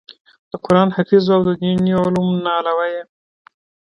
د قران حافظ وو او د ديني علومو نه علاوه ئې